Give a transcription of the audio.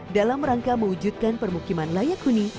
dalam rangka mewujudkan permukiman layak huni